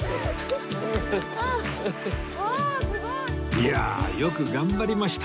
いやあ！よく頑張りました